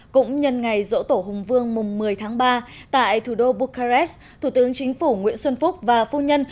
cũng nhân ngày dỗ tổ hùng vương mùng một mươi tháng ba tại thủ đô bucharest thủ tướng chính phủ nguyễn xuân phúc và phu nhân